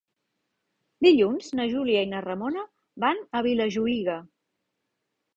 Dilluns na Júlia i na Ramona van a Vilajuïga.